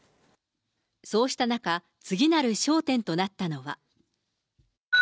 そうした中、次なる焦点となったのは。